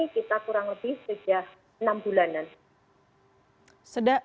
kita kurang lebih sejak enam bulanan